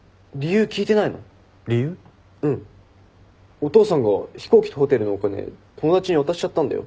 お父さんが飛行機とホテルのお金友達に渡しちゃったんだよ。